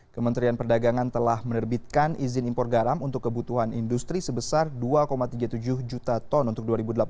kementerian perdagangan telah menerbitkan izin impor garam untuk kebutuhan industri sebesar dua tiga puluh tujuh juta ton untuk dua ribu delapan belas